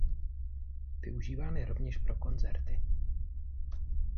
Využíván je rovněž pro koncerty.